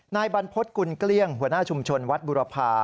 นายบรรพฤษกุลเกลี้ยงหัวหน้าชุมชนวัดบุรพา